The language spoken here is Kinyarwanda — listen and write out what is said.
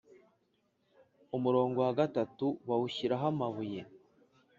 Umurongo wa gatatu m bawushyiraho amabuye